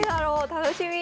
楽しみ！